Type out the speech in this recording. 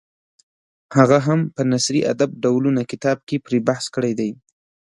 هغه هم په نثري ادب ډولونه کتاب کې پرې بحث کړی دی.